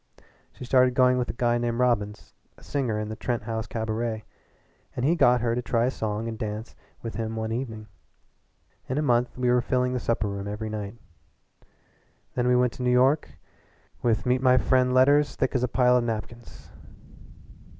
She started going with a guy named Robbins, a singer in the Trent House cabaret, and he got her to try a song and dance with him one evening. In a month we were filling the supper room every night. Then we went to New York with meet my friend letters thick as a pile of napkins.